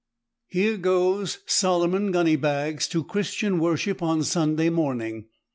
Here goes Solomon Gunnybags to Christian worship on Sunday morning.